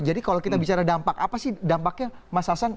jadi kalau kita bicara dampak apa sih dampaknya mas hasan